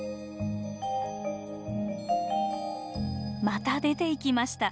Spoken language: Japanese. また出ていきました。